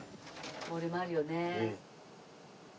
ボリュームあるよね。